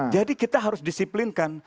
jadi kita harus disiplinkan